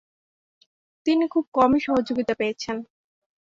তিনি খুব কমই সহযোগিতা পেয়েছেন।